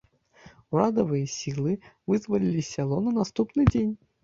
Урадавыя сілы вызвалілі сяло на наступны дзень.